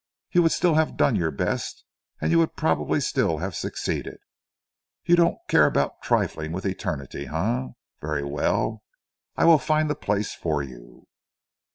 You would still have done your best and you would probably still have succeeded. You don't care about trifling with Eternity, eh? Very well, I will find the place for you."